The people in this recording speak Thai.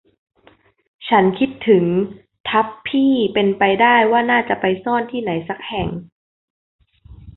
ฉันคิดถึงทัพพี่เป็นไปได้ว่าน่าจะไปซ่อนที่ไหนสักแห่ง